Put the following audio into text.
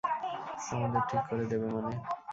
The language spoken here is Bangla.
আমাদের ঠিক করে দেবে মানে?